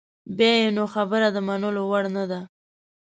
بیا یې نو خبره د منلو وړ نده.